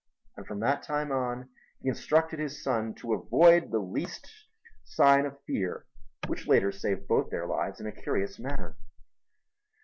And from that time on he instructed his son to avoid the least sign of fear which later saved both their lives in a curious manner.